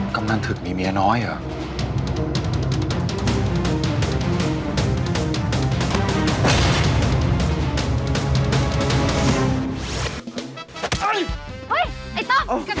กำนันถึกมีเมียน้อยเหรอ